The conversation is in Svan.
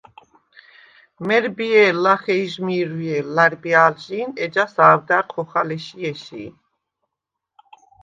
მერბიე̄ლ ლახე იჟმირვჲე̄ლ ლა̈რბია̄ლჟი̄ნ, ეჯას ა̄ვდა̈რ ხოხალ ეში̄-ეში̄.